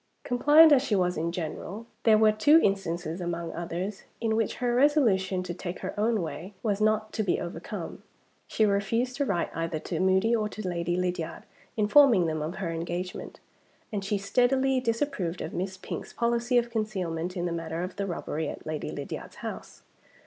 Compliant as she was in general, there were two instances, among others, in which her resolution to take her own way was not to be overcome. She refused to write either to Moody or to Lady Lydiard informing them of her engagement; and she steadily disapproved of Miss Pink's policy of concealment, in the matter of the robbery at Lady Lydiard's house.